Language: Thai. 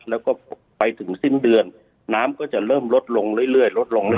แล้วก็ไปถึงสิ้นเดือนน้ำก็จะเริ่มลดลงเรื่อยลดลงเร